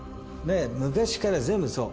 ですから全部そう。